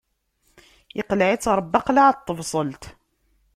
Iqleɛ-itt Ṛebbi aqlaɛ n tebṣelt.